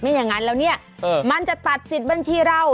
อย่างนั้นแล้วเนี่ยมันจะตัดสิทธิ์บัญชีเรา